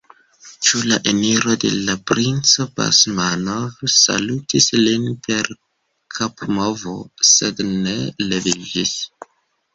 Ĉu la eniro de la princo Basmanov salutis lin per kapmovo, sed ne leviĝis.